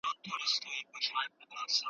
وروسته پاته والی زموږ د تېرو ناکامیو پایله ده.